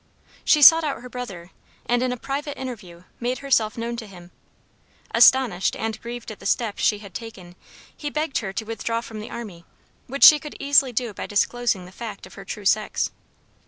She sought out her brother, and in a private interview made herself known to him. Astonished and grieved at the step she had taken he begged her to withdraw from the army, which she could easily do by disclosing the fact of her true sex.